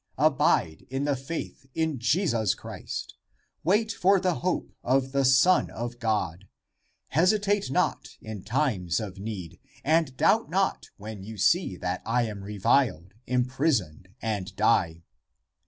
Abide in the faith in Jesus Christ ! Wait for the hope of the Son of God ! Hesitate not in times of need, and doubt not when you see that I am reviled, imprisoned and die.